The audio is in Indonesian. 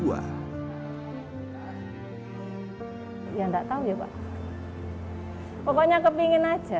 ya enggak tahu ya pak pokoknya kepingin aja